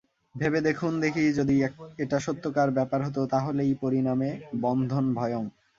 ভেবে দেখুন দেখি যদি এটা সত্যকার ব্যাপার হত তা হলেই পরিণামে বন্ধনভয়ং!